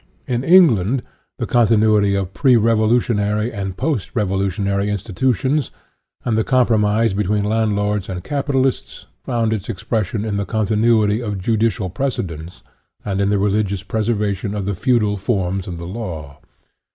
In England the continuity of pre revolutionary and post revolutionary institu tions, and the compromise between landlords and capitalists, found its expression in the continuity of judicial precedents and in the religious preservation of the feudal forms of the law.